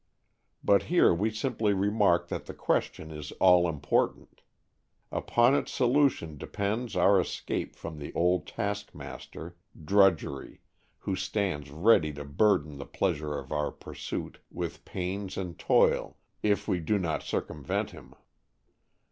But here we simply remark that the question is all important. Upon its solution depends our escape from the old task master, Drudgery, who stands ready to burden the pleasure of our pursuit with pains and toil if we do not circumvent him.